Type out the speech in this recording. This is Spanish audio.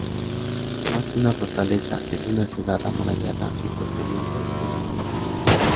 Más que una fortaleza es una ciudad amurallada y fuertemente defendida.